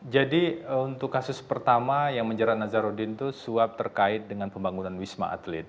jadi untuk kasus pertama yang menjerat nazaruddin itu suap terkait dengan pembangunan wisma atlet